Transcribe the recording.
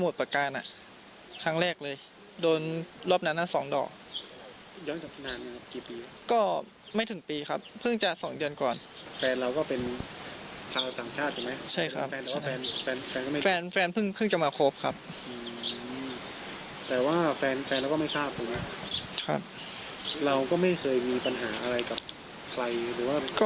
เราก็ไม่เคยมีปัญหาอะไรกับใคร